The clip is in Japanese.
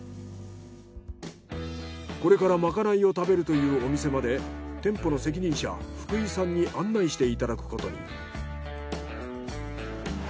これからまかないを食べるというお店まで店舗の責任者福井さんに案内していただくことに。